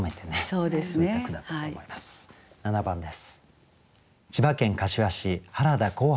７番です。